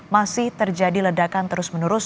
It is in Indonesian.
masih terjadi ledakan terus menerus